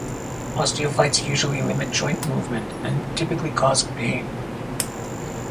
Osteophytes usually limit joint movement and typically cause pain.